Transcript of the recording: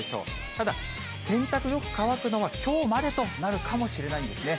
ただ、洗濯よく乾くのは、きょうまでとなるかもしれないんですね。